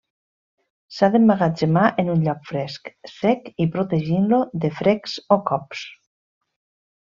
S'ha d'emmagatzemar en un lloc fresc, sec, i protegint-lo de frecs o cops.